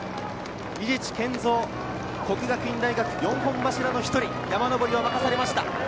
伊地知賢造・國學院大學４本柱の１人、山上りを任されました。